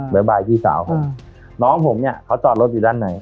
บ่ายพี่สาวผมน้องผมเนี่ยเขาจอดรถอยู่ด้านใน